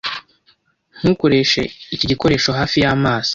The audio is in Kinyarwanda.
Ntukoreshe iki gikoresho hafi y'amazi.